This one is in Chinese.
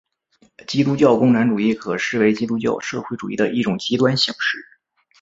基督教共产主义可视为基督教社会主义的一种极端形式。